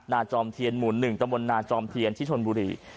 จอมเทียนหมู่๑ตะบนนาจอมเทียนที่ชนบุรี